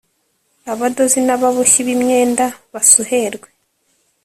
abadozi n’ababoshyi b’imyenda basuherwe,